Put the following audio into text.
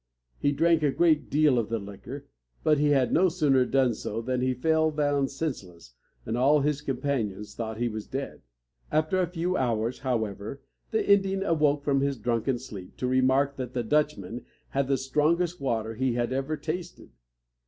He drank a great deal of the liquor, but he had no sooner done so than he fell down senseless, and all his companions thought he was dead. After a few hours, however, the Indian awoke from his drunken sleep, to remark that the Dutchman had the strongest water he had ever tasted.